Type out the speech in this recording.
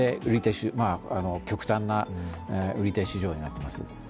極端な売り手市場になってます。